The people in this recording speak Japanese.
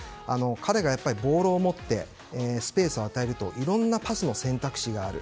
彼がボールを持ってスペースを与えるといろんなパスの選択肢がある。